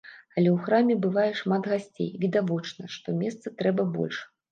Але ў храме бывае шмат гасцей, відавочна, што месца трэба больш.